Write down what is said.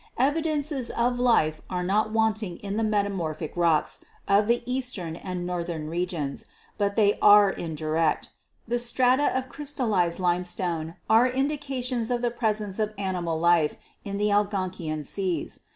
Evidences of life are not wanting in the metamor phic rocks of the eastern and northern regions, but the} are indirect. The strata of crystallized limestone are indi cations of the presence of animal life in the Algonkian seas.